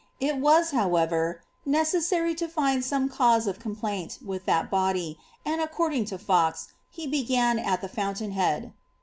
It was, however, necessary to find some cause of complaint with that body ; and, according to Fox, he began at the fountain head.